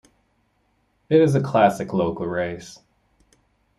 It is a classic local race.